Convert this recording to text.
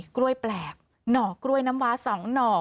กล้วยแปลกหน่อกล้วยน้ำว้า๒หน่อ